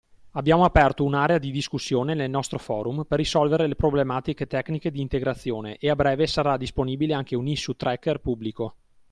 Abbiamo aperto un’area di discussione nel nostro forum, per risolvere le problematiche tecniche di integrazione, e a breve sarà disponibile anche un issue tracker pubblico.